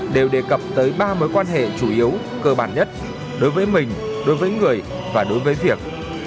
đều đề cập tới ba mối quan hệ chủ yếu cơ bản nhất đối với mình đối với người và đối với việc